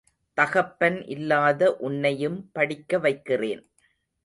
தகப்பன் இல்லாத உன்னையும் படிக்க வைக்கிறேன்.